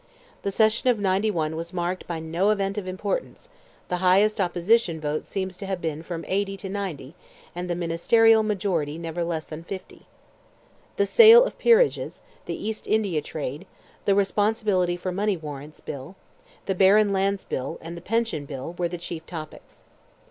The session of '91 was marked by no event of importance, the highest opposition vote seems to have been from 80 to 90, and the ministerial majority never less than 50. The sale of Peerages, the East India trade, the Responsibility (for money warrants) Bill, the Barren Lands Bill, and the Pension Bill, were the chief topics.